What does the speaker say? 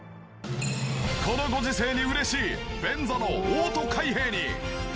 このご時世に嬉しい便座のオート開閉に。